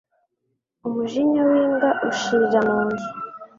Umujinya w'imbwa ushirira mu nzu